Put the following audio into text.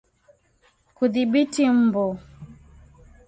Kudhibiti mbu